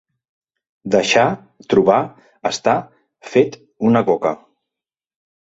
Deixar, trobar, estar, fet una coca.